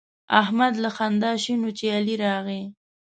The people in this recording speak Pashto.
احمد له خندا شین وو چې علي راغی.